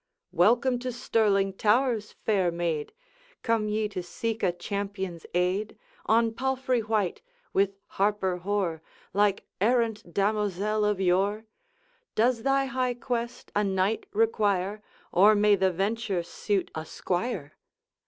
'Welcome to Stirling towers, fair maid! Come ye to seek a champion's aid, On palfrey white, with harper hoar, Like errant damosel of yore? Does thy high quest a knight require, Or may the venture suit a squire?'